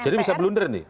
jadi bisa blunder nih